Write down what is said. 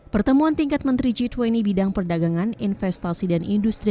pertemuan tingkat menteri jitwini bidang perdagangan investasi dan industri